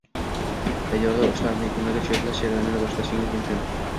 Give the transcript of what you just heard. Tayyorlov ishlarini yakunlagach, yodlash jarayonini boshlashingiz mumkin.